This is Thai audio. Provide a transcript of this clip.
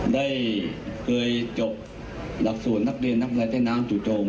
ได้เคยจบหลักศูนย์นักเรียนนักรายใจน้ำจุโจม